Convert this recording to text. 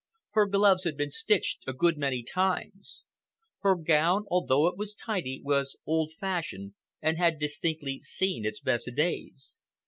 Her gloves had been stitched a good many times. Her gown, although it was tidy, was old fashioned and had distinctly seen its best days.